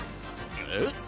えっ？